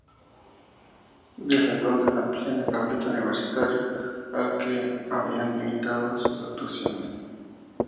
Desde entonces amplían el ámbito universitario al que habían limitado sus actuaciones.